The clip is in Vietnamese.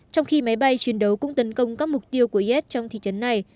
trong khi máy bay chiến đấu cũng tấn công các mục tiêu của is